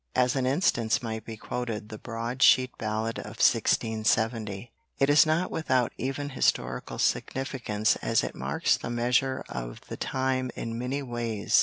As an instance might be quoted the broad sheet ballad of 1670. It is not without even historical significance as it marks the measure of the time in many ways.